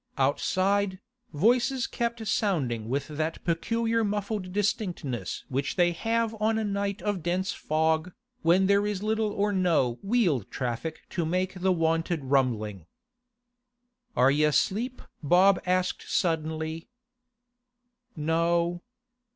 Outside, voices kept sounding with that peculiar muffled distinctness which they have on a night of dense fog, when there is little or no wheel traffic to make the wonted rumbling. 'Are y'asleep?' Bob asked suddenly. 'No.